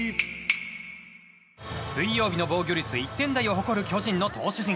水曜日の防御率１点台を誇る巨人の投手陣。